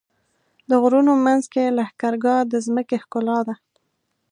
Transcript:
د غرونو منځ کې لښکرګاه د ځمکې ښکلا ده.